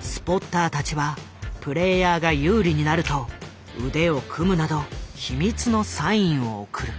スポッターたちはプレイヤーが有利になると腕を組むなど秘密のサインを送る。